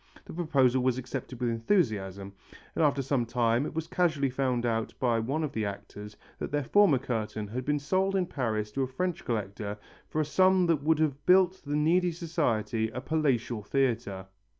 The proposal was accepted with enthusiasm, and after some time it was casually found out by one of the actors that their former curtain had been sold in Paris to a French collector for a sum that would have built the needy society a palatial theatre.